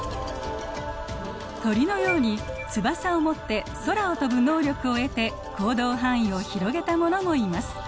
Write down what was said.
鳥のように翼を持って空を飛ぶ能力を得て行動範囲を広げたものもいます。